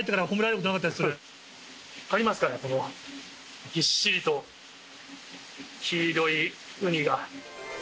分かりますかね、このぎっしりと黄色いウニが。